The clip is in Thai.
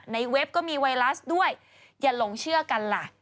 เว็บก็มีไวรัสด้วยอย่าหลงเชื่อกันล่ะ